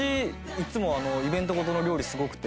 いっつもイベント事の料理すごくて。